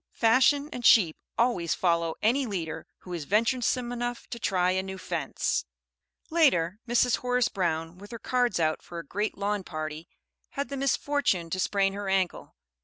Fashion and sheep always follow any leader who is venturesome enough to try a new fence. Later, Mrs. Horace Brown, with her cards out for a great lawn party, had the misfortune to sprain her ankle.